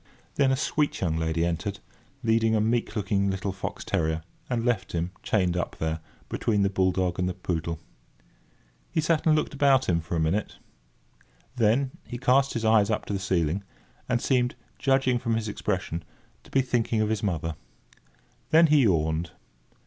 Then a sweet young lady entered, leading a meek looking little fox terrier, and left him, chained up there, between the bull dog and the poodle. He sat and looked about him for a minute. Then he cast up his eyes to the ceiling, and seemed, judging from his expression, to be thinking of his mother. Then he yawned.